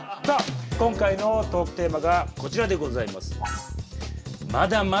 さあ今回のトークテーマがこちらでございます。